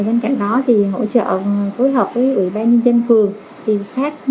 bên cạnh đó hỗ trợ phối hợp với ủy ban nhân dân phường phát những phần quà